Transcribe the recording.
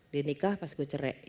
dia nikah pas gue cerai